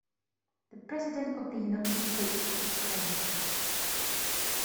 The President of the United States was his friend.